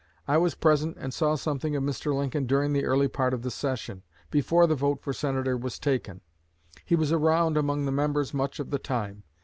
I was present and saw something of Mr. Lincoln during the early part of the session, before the vote for Senator was taken. He was around among the members much of the time.